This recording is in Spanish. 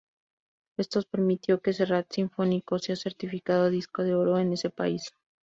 Esto permitió que "Serrat sinfónico" sea certificado disco de oro en ese país.